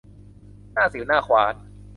หน้าสิ่วหน้าขวาน